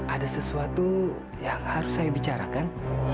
ada sesuatu yang harus saya bicarakan